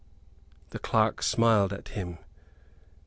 The clerk smiled at him.